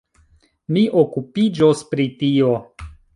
Mi okupiĝos pri tio.